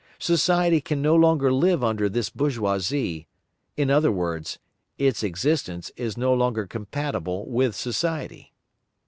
Society can no longer live under this bourgeoisie, in other words, its existence is no longer compatible with society.